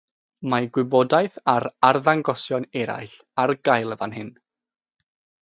Mae gwybodaeth ar arddangosion eraill ar gael fan hyn.